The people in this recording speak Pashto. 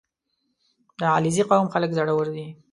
• د علیزي قوم خلک زړور دي.